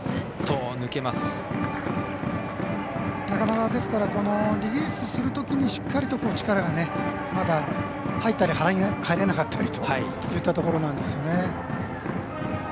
なかなか、リリースするときにしっかりと力が入ったり入らなかったりといったところなんですよね。